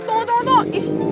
tuh tuh tuh